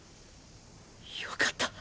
よかった。